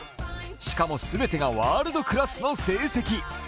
しかも、全てがワールドクラスの成績。